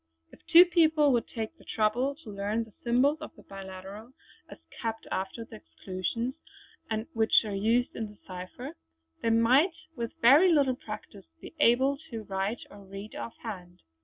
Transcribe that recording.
If two people would take the trouble to learn the symbols of the biliteral, as kept after the exclusions and which are used in this cipher, they might with very little practice be able to write or read off hand.